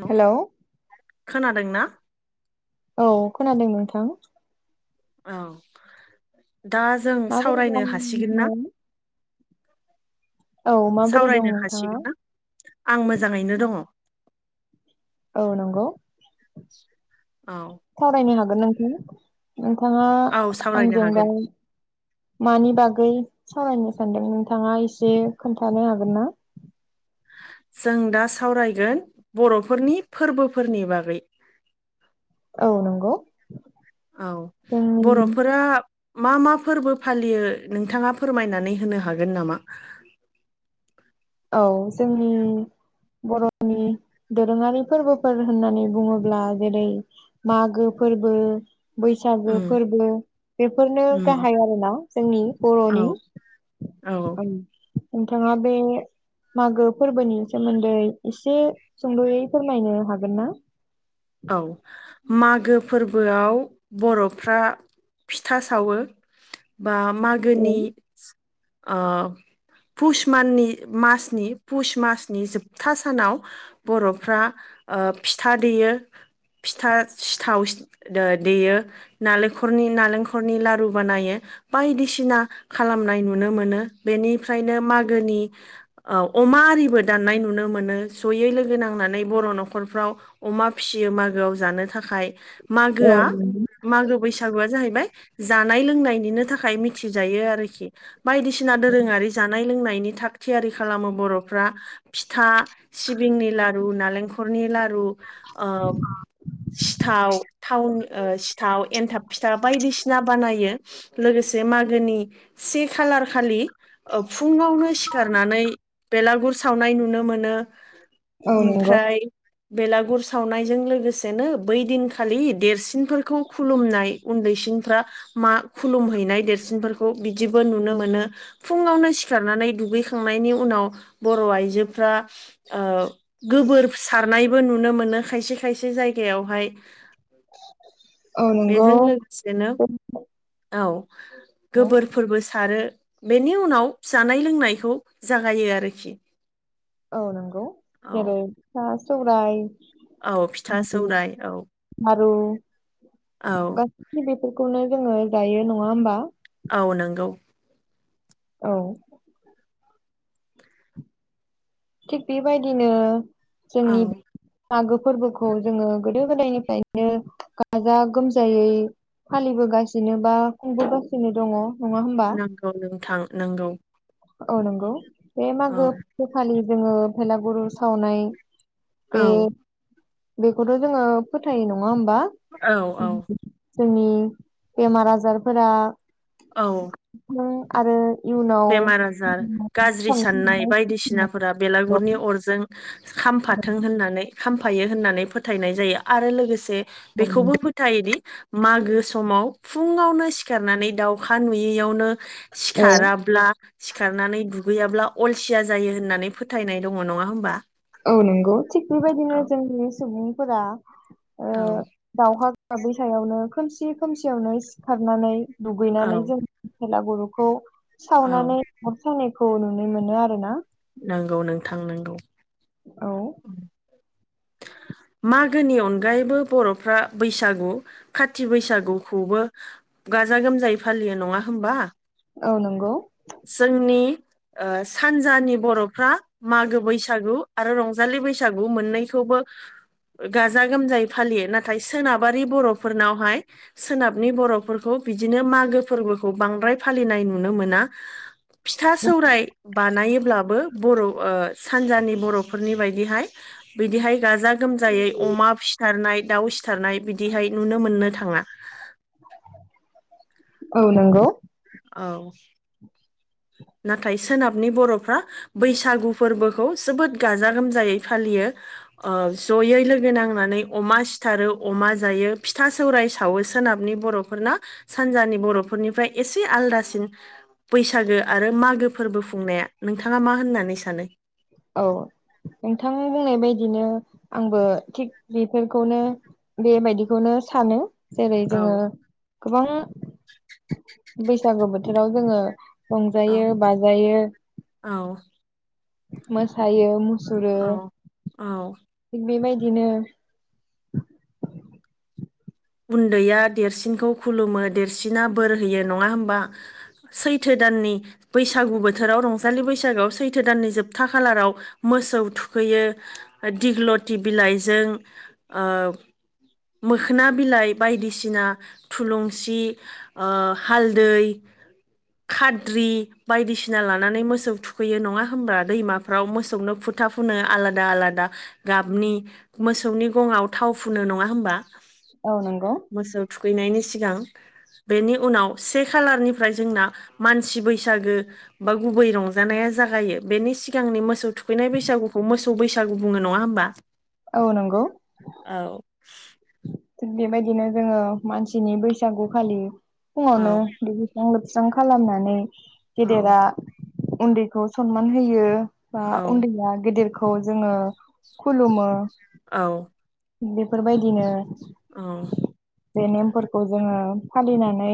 हेल' hello खोनादों ना औ खोनादों नोंथां औ दा जों माबोरै दं सावरायनो हासिगोन ना नोंथाङा? औ माबोरै दं सावरायनो नोंथाङा? हासिगोन ना आं मोजाङैनो दङ' औ नंगौ। [inaudible] सावरायनो हागोन नोंथां नोंथाङा औ सावरायनो आंजों दा। हागोन मानि बागै सावरायनो सानदों नोंथाङा एसे खोन्थानो हागोन ना। जों दा सावरायगोन बर'फोरनि फोरबोफोरनि बागै। औ। औ नंगौ। औ जोंनि बर'फोरा। मा मा फोरबो फालियो नोंथाङा फोरमायनानै होनो हागोन नामा। औ जोंनि बर'नि। दोरोङारि फोरबोफोर होननानै बुङोब्ला जेरै मागो फोरबो। बैसागो उम फोरबो बेफोरनो उम गाहाय आरोना जोंनि बर'नि। औ औ। नोंथांङा बे। मागो फोरबोनि सोमोन्दै एसे सुंद'यै फोरमायनो हागोन ना। औ। मागो फोरबोआव बर'फ्रा फिथा सावो। बा औ मागोनि ओ। पुस माननि मासनि पुस मासनि जोबथा सानाव बर'फ्रा। ओ फिथा दैेयो। फिथा सिथाव दो देयो नालेंखरनि नालेंखरनि लारु बानायो। बायदिसिना खालामनाय नुनो मोनो बेनिफ्रायनो मागोनि ओ अमा। हारिबो दान्नाय नुनो मोनो जयै लोगो नांनानै बर' न'खरफ्राव अमा। फिसियो मागोआव जानो थाखाय मागोआ मागो बैसागुआ जाहैबाय जा। नाय लोंनाय निनो थाखाय मिथि जायो आरोखि बायसिना दोरोङारि जानाय लोंनाय। नि थाखथियारि खालामो बर'फ्रा फिथा सिबिंनि लारु नालेंखलनि लारु। ओ। सिथाव थावनि ओ सिथाव एन्थाब फिथा बायदिसिना बानायो लोगोसे। से मागोनि से खालार खालि। ओ फुङावनो सिखारनानै बेलागुर सावनाय नुनो मोनो। औ नंगौ ओमफ्राय बेलागुर। सावनायजों लोगोसेनो बै दिनखालि देरसिनफोरखौ खुलुमनाय उन्दैसिनफ्रा। मा खुलुमहैनाय देरसिनफोरखौ बिदिबो नुनो मोनो फुङावनो सिखारनानै दुगैखांनाय। नायनि उनाव बर' आइजोफ्रा ओ। गोबोर सारनायबो नुनो मोनो खायसे खायसे जायगायावहाय। औ नंगौ बेजों लोगोसेनो औ गोबोरफोरबो सारो। बेनि उनाव जानाय लोंनायखौ जागायो आरोखि। औ नंगौ औ जेरै फिथा सौराय। औ फिथा उम सौराय औ लारु औ गासिबो। बेखौनो जोङो जायो नङा होमबा। औ नंगौ। औ। थिग बेबायदिनो जोंनि। औ मागो फोरबोखौ जोङो गोदो गोदायनिफ्रायनो गाजा गोमजायै। फालिबोगासिनो बा खुंबोगासिनो दङ। नङा होमबा नोंगौ नोंथां नोंगौ। औ नंगौ बे मागो फखालि जोङो भेलागुरु सावनाय। बे औ। बेखौथ' जोङो फोथायो नङा होमबा। औ औ जोंनि बेमार आजारफोरा। औ उम आरो इयुनाव जार गाज्रि साननाय बायदिसिनाफोरा बेलागुरनि अरजों खामफाथों होननानै खामफायो होननानै फोथायनाय जायो आरो लोगोसे बेखौबो औ फोथायोदि मागो समाव फुङावनो सिखारनानै दाउखा नुयैयावनो सिखाराब्ला सिखारनानै गैयाब्ला अलसिया जायो होननानै फोथायनाय दङ नङा होमबा औ नंगौ थिग बेबायदिनो औ जोंनि सुबुंफोरा ओ औ दावहा साबै सायावनो खोमसि खोमसियावनो सिखारनानै दुगैनानै औ जों बेलागुरुखौ औ सावनानै अर सायनायखौ नुनो मोनो आरो ना नोंगौ नोंथां नोंगौ औ [unintelligible] [inaudible] मागोनि अनगायैबो बर'फ्रा बैसागु खाति बैसागुखौबो गाजा गोमजायै फालियो नङा होमबा औ नंगौ जोंनि ओ सानजानि बर'फ्रा मागो बैसागु आरो रंजालि बैसागु मोननै खौबो गाजा गोमजायै फालियो नाथाय सोनाबारि बर'फोरनावहाय सोनाबनि बर'फोरखौ बिदिनो मागो फोरबोखौ बांद्राय फालिनाय नुनो मोना फिथा सौराय बानायोब्लाबो बर' ओ सानजानि बर'फोरनि बायदिहाय बिदिहाय गाजा गोमजायै अमा सिथारनाय दाउ सिथारनाय बिदि हाय नुनो मोननो थाङा। औ नंगौ औ नाथाय सोनाबनि बर'फ्रा बैसागु फोरबोखौ जोबोद गाजा गोमजायै फालियो ओ जयै लोगो नांनानै अमा सिथारो अमा जायो फिथा सौराय सावो सोनाब नि बर'फोरना सानजानि बर'फोरनिफ्राय एसे आलदासिन बैसागो आरो मागो फोरबो खुंनाया नोंथाङा मा होननानै सानो? औ नोंथां बुंनाय बायदिनो आंबो थिग बेफोरखौनो बेबायदिखौनो सानो जेरै औ जोङो गोबां बैसागु बोथोराव जोङो औ रंजायो बाजायो औ मोसायो मु सुरो औ औ थिग बेबायदिनो उन्दैया देरसिनखौ खुलुमो देरसिना बोर होयो नङा होमबा सैथो दाननि बैसागु बोथोराव रंजालि बैसागोआव सैथो दाननि जोबथा खालाराव मोसौ थुखैयो दिग्लथि बिलाइजों ओ मोखोना बि बिलाइ बायदिसिना थुलुंसि ओ हालदै खाद्रि बायदिसिना लानानै मोसौ थुखैयो नङा होनब दैमाफ्राव मोसौनो फु था फुनो आलादा आलादा गाबनि मोसौनि गङाव थाव फुनो नङा होनोमबा? ओ नंगौ। फैनायनि सिगां बेनि उनाव से खालारनिफ्राय जोंना मानसि बैसागो बा गुबै रंजानाया जागायो बेनि सिगांनि मोसौ थुखैनाय बैसागुखौ मोसौ बैसागु बुङो नङा होमबा? औ नंगौ। औ थिग बेबायदिनो जोङो मानसिनि बैसागु खालि फुङावनो औ दुगैस्रां लोब स्रां खालामनानै औ गेदेरा उन्दैखौ सनमान होयो। बा औ उन्दैया गेदेरखौ जोङो खुलुमो। औ। बेफोरबायदिनो औ बे नेमफोरखौ जोङो फालिनानै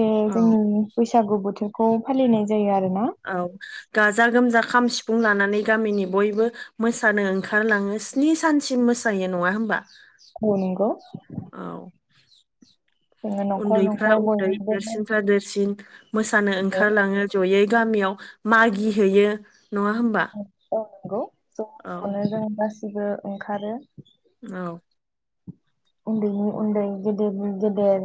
बे औ जोंनि बैसा गु बोथोरखौ फालिनाय जायो आरो ना। औ गाजा गोमजा खाम सिफुं लानानै गामिनि बयबो मोसानो ओंखारलाङो स्नि सानसिम मोसायो नङा होनोमबा? औ नंगौ। जोङो न'खर उन्दैफ्रा न'खर उन्दै बयनिबो देरसिनफ्रा देरसिन मोसानो औ ओंखारलाङो जयै गामियाव मागि हैयो नङा होमबा? नंनौ ज' औ ज'नो जों गासिबो ओंखारो औ। उन्दैनि उन्दै गेदेरनि गेदेर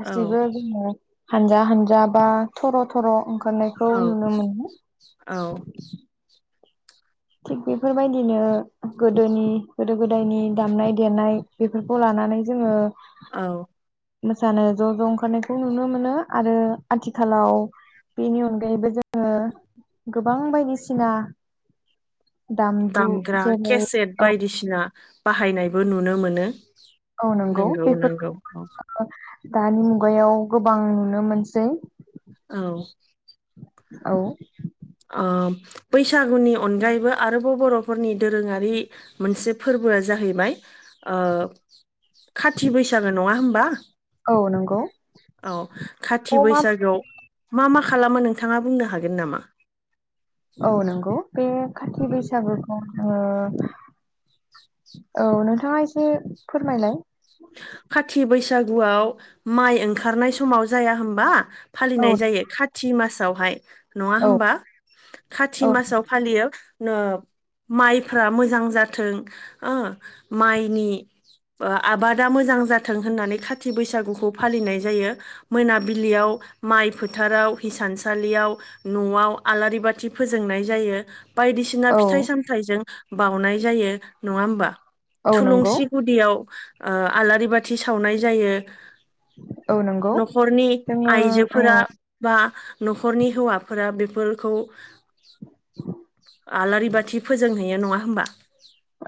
औ जोङो हानजा हानजा बा थर थर' ओंखारनायखौ औ नुनो मोनो। औ थिग बेफोरबायदिनो गोदोनि गोदो गोदायनि दामनाय देनाय बेफोरखौ ला नानै जोङो औ मोसानो ज' ज' ओंखारनायखौ नुनो मोनो आरो आथिखालाव बेनि अनगायैबो जोङो गोबां बायदिसिना दामजु दामग्रा जेरै केसेट औ बायदिसिना बाहायनायबो नुनो मोनो औ नंगौ नंगौ औ बेफोरखौ दानि मुगायाव गोबां नुनो मोनसै। औ। औ। बैसागुनि अनगायैबो आरोबाव बर'फोरनि दोरोङारि मोनसे फोरबो फोरबोआ जाहैबाय खाथि बैसागो नङा होमबा? औ नंगौ औ खाथि थ मा बैसागोआव मा मा खालामो नोंथाङा बुंनो ह हागोन नामा? औ नंगौ बे खाथि बैसागुखौ जोङो औ नोंथाङा एसे फोरमायलाय। खाथि बैसागुआव माइ ओंखारनाय समाव जाया हबा फालिनाय औ जायो खाथि मासावहाय। नङा औ होमबा खाथि औ मासाव फालियो। माइफ्रा मोजां जाथों माइनि आबाद दा मोजां जाथों होननानै खाथि बैसागुखौ फालिनाय जायो, मोनाबिलियाव माइ फोथार फोथाराव हिसानसालियाव न'आव आलारि बाथि फोजोंनाय जायो। बायदिसिना औ फिथाइ सामथायाइजों बाउनाय जायो, नङा होमबा? औ नंगौ थुलुंसि गुदियाव आलारि बाथि सावनाय जायो। औ नंगौ न'खरनि जोङो आइजोफोरा औ बा न'खरनि हौवाफोरा बेफोर आलारि बाथि फोजोंहैयो नङा होमबा?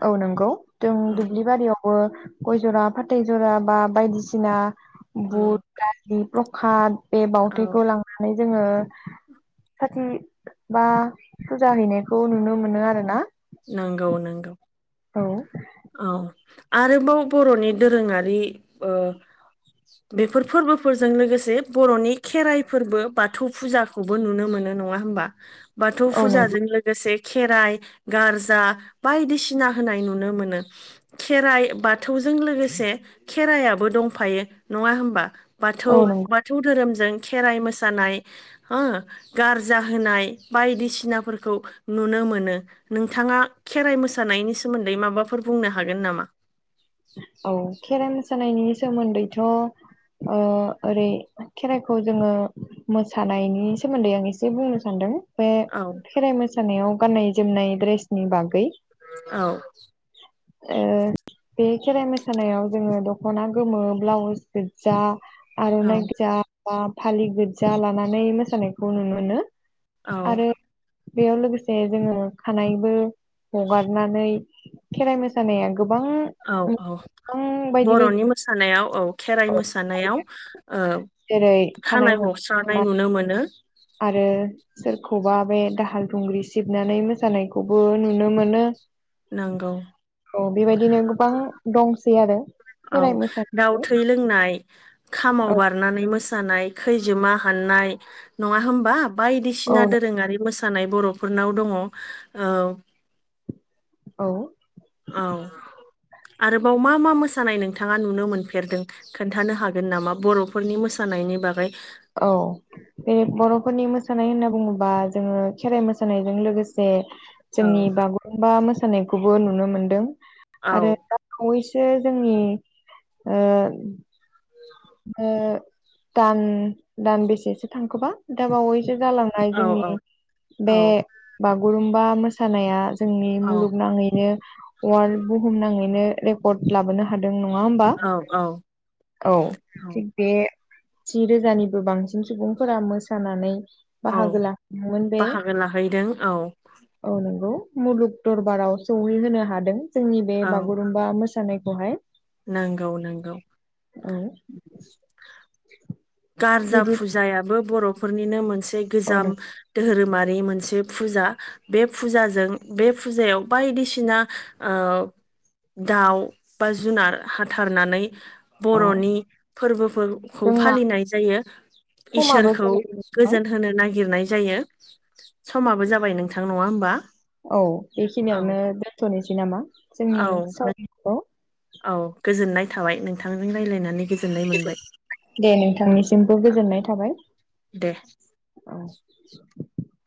औ नंगौ जों औ दुब्लि बारियावबो गय जरा फाथै जरा बा बायदिसिना औ बुट दालि प्रख बे औ बावथायखौ लांनानै जोङो सथि बा फुजा हैनायखौ नुनो मोनो आरो ना। नंगौ नंगौ औ। आरोबाव बर'नि दोरोङारि बेफोर फोरबोफोरजों लोगोसे बर'नि खेराइ फोरबो बाथौ फुजाखौबो नुनो मोनो। नङा हबा बाथौ औ नंगौ फुजाजों लोगोसे खेराइ गारजा बायदिसिना होनाय नुनो मोनो खेराइ बाथौजों लोगोसे खेरायाबो दंफायो नङा हबा बाथौ औ नंगौ बाथौ धोरोम दों खेराइ मोसानाय हा गारजा होनाय बायदिसिनाफोरखौ नुनो मोनो। नोंथाङा खेराइ मोसानायनि सोमोन्दै माबाफोर बुंनो हागोन नामा? औ खेराइ मोसानायनि सोमोन्दैथ' ओ ओरै खेराइखौ जोङो मोसानायनि सोमोन्दै आं एसे बुंनो सान्दों। ओ औ खेराइ मोसानायाव गाननाय जोमनाय ड्रेसनि बागै औ ओ बे खेराइ मोसानायाव जोङो दख'ना गोमो ब्लाउस गोजजा औ आर'नाइ गोजा बा फालि गोजजा लानानै मोसानायखौ नुनो मोनो। औ। आरो बेयाव लोगोसे जोङो खानाइबो हगारनानै खेराइ मोसानाया गोबां औ औ। गोबां बायदि बायदि बर'नि मोसानायाव औ खेराइ मोसानायाव ओ जेरै खानाय हस्रानाय हगारनाय नुनो मोनो। आरो सोरखौबा बे दाहाल दुंग्रि सिबनानै मोसानायखौबो नुनो मोनो। नंगौ। औ बेबायदिनो गोबां दंसै आरो औ। खेराइ दाउ मोसानायाबो थै लोंनाय खामाव औ बारनानै मोसानाय, खैजोमा हाननाय नङा होमबा औ बायदिसिना दोरोङारि मोसानाय बर'फोरनाव दङ' ओ औ। औ। आरोबाव मा मा मोसानाय नोंथाङा नुनो मोनफेरदों खोन्थानो हागोन नामा बर'फोरनि मोसा नायनि बागै। औ बे बर'फोरनि मोसानाय होनना बुङोबा जोङो खेराइ मोसानायजों लोगोसे औ जोंनि बागुरुमबा मो सानायखौबो नुनो मोनदों औ आरो आरो दा बावै सो जोंनि ओ ओ दान दान बेसेसो थांखोबा दा बावैसो जालांनाय औ जोंनि औ औ बे बागुरुमबा मोसानाया जोंनि मुलुगनाङैनो वाल्ड बुहुम नाङैनो रेकर्ड लाबोनो हा दों नङा होमबा औ औ औ औ थिग बे जि रोजानिबो बांसिन सुबुंफोरा मोसानानै औ बाहागो लाफैदोंमोन बे बाहागो लाहैदों औ औ नंगौ। मुलुग दरबाराव सहैहोनो हादों जोंनि बे बागुरुम्बा मोसानायखौहाय। नोंगौ नोंगौ। औ गार्जा बिदि फुजायाबो बर'फोरनिनो मोनसे औ गोजाम नों धोरोमा रि मोनसे फुजा बे फुजाजों बे फुजायाव बायदिसिना ओ दाउ बा जुनार हाथारनानै औ बर'नि फोरबोफोरखौ जोंना फालिनाय जायो। समाबो इसोरखौ जाबाय नोंथां गोजोन होनो नागिरनाय जायो। समाबो जाबाय नोंथां नङा होमबा। औ औ बेखिनियावनो दोनथ'निसै नामा औ जोंनि नों साव खौ औ गोजोननाय थाबाय नोंथांजों रायलायनानै [unintelligible] दे नोंथांनिसिमबो गोजोननाय थाबाय। दे औ [inaudible]